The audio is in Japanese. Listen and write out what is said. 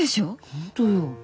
本当よ。